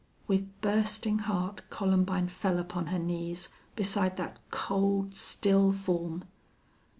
With bursting heart Columbine fell upon her knees beside that cold, still form.